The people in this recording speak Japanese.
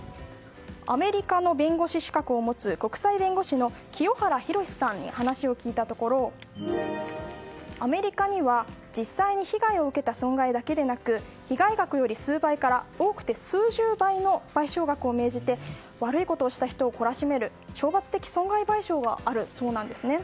アメリカの弁護士資格を持つ国際弁護士の清原博さんに話を聞いたところアメリカには実際に被害を受けた損害だけでなく被害額より数倍から多くて数十倍の賠償額を命じて悪いことをした人を懲らしめる懲罰的損害賠償があるそうです。